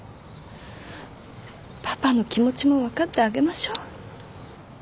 パパの気持ちも分かってあげましょう。